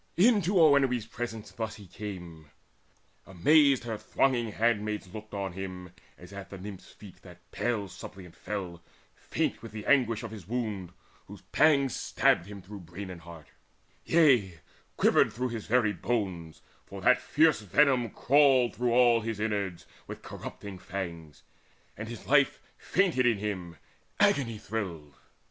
Into Oenone's presence thus he came. Amazed her thronging handmaids looked on him As at the Nymph's feet that pale suppliant fell Faint with the anguish of his wound, whose pangs Stabbed him through brain and heart, yea, quivered through His very bones, for that fierce venom crawled Through all his inwards with corrupting fangs; And his life fainted in him agony thrilled.